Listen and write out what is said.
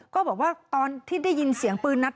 ก็บอกว่าตอนที่ได้ยินเสียงปืนนัด